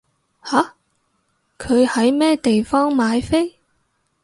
吓？佢喺咩地方買飛？